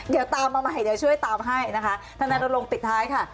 เดี๋ยวตามมาใหม่เดี๋ยวช่วยตามให้ถ้านักงานลงติดท้ายค่ะ